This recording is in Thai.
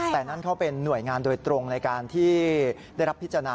แต่นั่นเขาเป็นหน่วยงานโดยตรงในการที่ได้รับพิจารณา